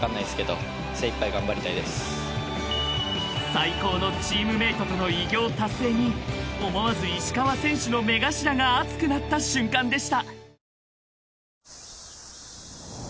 ［最高のチームメートとの偉業達成に思わず石川選手の目頭が熱くなった瞬間でした］